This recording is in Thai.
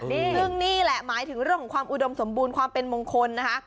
ซึ่งนี่แหละหมายถึงเรื่องของความอุดมสมบูรณ์ความเป็นมงคลนะคะ